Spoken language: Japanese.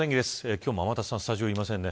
今日も天達さんスタジオにいませんね。